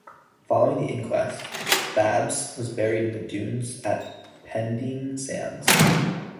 Following the inquest, "Babs" was buried in the dunes at Pendine Sands.